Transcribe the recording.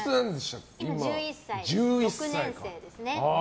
今、１１歳、６年生ですね。